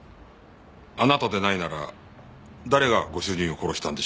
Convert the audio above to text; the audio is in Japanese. あなたでないなら誰がご主人を殺したんでしょうか？